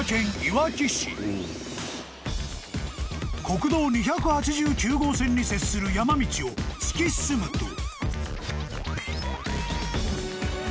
［国道２８９号線に接する山道を突き進むと］